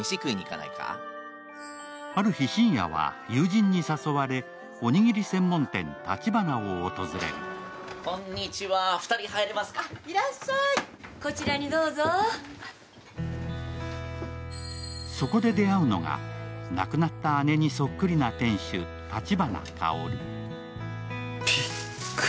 ある日、信也は友人に誘われ、おにぎり専門店、たちばなを訪れるそこで出会うのが亡くなった姉にそっくりな店主・立花香。